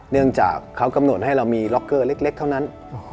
เนื่องจากเขากำหนดให้เรามีล็อกเกอร์เล็กเท่านั้น